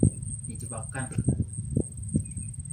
Ini jebakan!